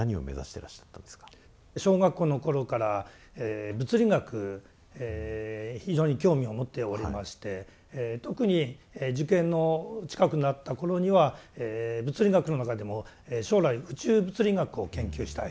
小学校の頃から物理学非常に興味を持っておりまして特に受験の近くなった頃には物理学の中でも将来宇宙物理学を研究したい